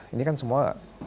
ini kan semua